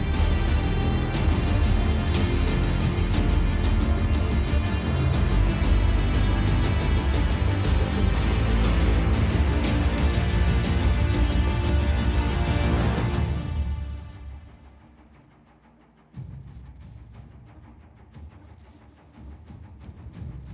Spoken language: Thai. สงสารแกอะแต่ว่าจะช่วยอะไร